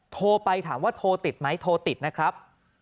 โทรไปถามว่าโทรติดไหมโทรติดนะครับ